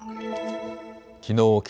きのう